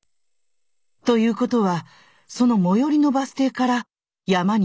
ということはその最寄りのバス停から山に向かったのではないか。